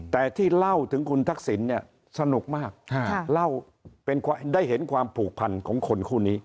แต่ที่เล่าถึงคุณทักษิณเนี่ยสนุกมากเล่าได้เห็นความผูกพันของคนคู่นี้